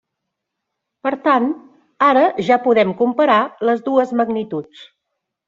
Per tant, ara ja podem comparar les dues magnituds.